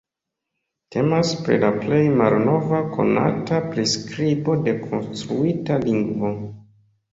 Temas pri la plej malnova konata priskribo de konstruita lingvo.